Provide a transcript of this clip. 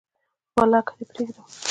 ولاکه دي پریږدم